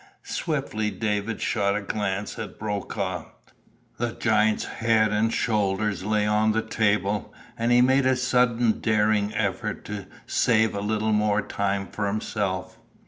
Swiftly David shot a glance at Brokaw. The giant's head and shoulders lay on the table, and he made a sudden daring effort to save a little more time for himself.